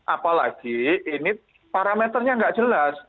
apalagi ini parameternya nggak jelas